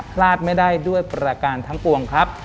พลาดไม่ได้ด้วยประการทั้งปวงครับ